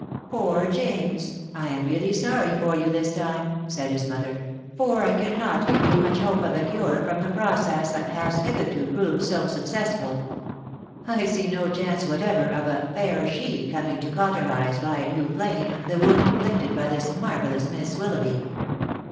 " Poor James ! I am really sorry for you this time," said his mother, s< for I cannot give you much hope of a cure from the process that has hitherto proved 3D tK\&c&Be&a\. X^st no chance whatever of a ' fairer she' cotwx\% to w»tex«fc, V* i 3 118 THE WIDOW BARNABY. a new flame, the wound inflicted by this marvellous Mist Willoughby."